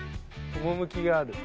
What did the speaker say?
趣がある。